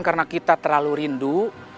karena kita terlalu rindu